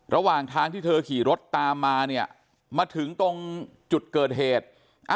ระหว่างทางที่เธอขี่รถตามมาเนี่ยมาถึงตรงจุดเกิดเหตุ